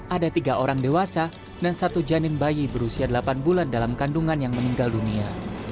ada tiga orang dewasa dan satu janin bayi berusia delapan bulan dalam kandungan yang meninggal dunia